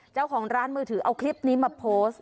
เจ้าของร้านมือถือเอาคลิปนี้มาโพสต์